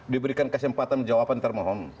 diberikan kesempatan jawaban termohon